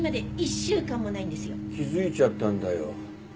気づいちゃったんだよ。